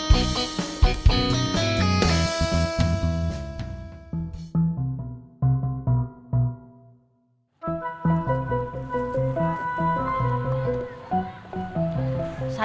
tapi vitaminnya mah gak hilang